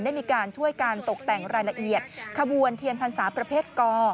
ได้มีการช่วยการตกแต่งรายละเอียดขบวนเทียนพรรษาประเภทก